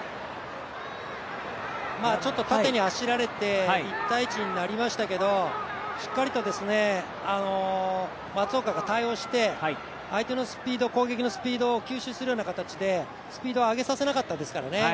ちょっと縦に走られて１体１になりましたけどしっかりと松岡が対応して、相手のスピード攻撃のスピードを吸収する形でスピードを上げさせなかったですからね